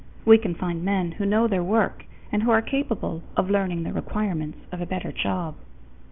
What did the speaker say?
We can find men who know their work and who are capable of learning the requirements of a better job.